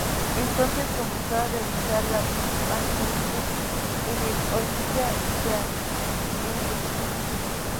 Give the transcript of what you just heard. Entonces comenzó a realizar la pantomima en el "Olympia Theatre" en Dublín.